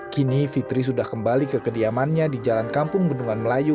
kini fitri sudah kembali ke kediamannya di jalan kampung bendungan melayu